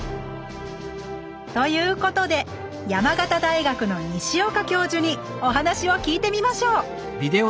ということで山形大学の西岡教授にお話を聞いてみましょう！